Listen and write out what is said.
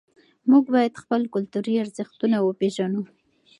موږ باید خپل کلتوري ارزښتونه وپېژنو.